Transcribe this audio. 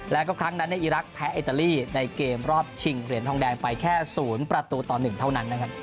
แล้วก็ครั้งนั้นในอีรักษ์แพ้อิตาลีในเกมรอบชิงเหรียญทองแดงไปแค่๐ประตูต่อ๑เท่านั้นนะครับ